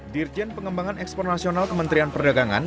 dirjen pengembangan ekspor nasional kementerian perdagangan